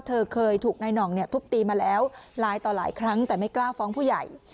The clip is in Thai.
เธอเคยถูกนายหน่องทุบตีมาแล้วหลายต่อหลายครั้งแต่ไม่กล้าฟ้องผู้ใหญ่